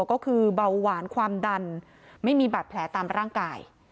ก็คือเบาหวานความดันไม่มีบาดแผลตามร่างกาย